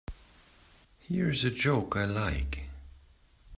Here's a joke I like.